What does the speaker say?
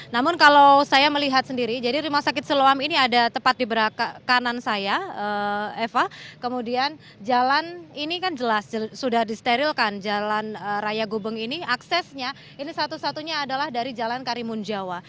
namun kalau saya melihat sendiri jadi rumah sakit siloam ini ada tepat di belakang kanan saya eva kemudian jalan ini kan jelas sudah disterilkan jalan raya gubeng ini aksesnya ini satu satunya adalah dari jalan karimun jawa